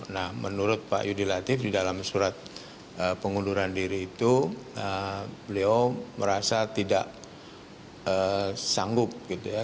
nah menurut pak yudi latif di dalam surat pengunduran diri itu beliau merasa tidak sanggup gitu ya